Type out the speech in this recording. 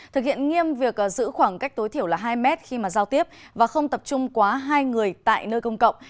thực hiện nghiêm việc giữ khoảng cách tối thiểu là hai mét khi giao tiếp và không tập trung quá hai người tại nơi công cộng